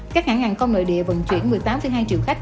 các hãng hàng không nội địa vận chuyển một mươi tám hai triệu khách